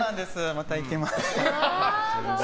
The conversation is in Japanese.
また行きます。